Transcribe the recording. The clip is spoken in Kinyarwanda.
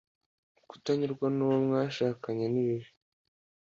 Kutanyurwa nuwo mwashakanye ni bibi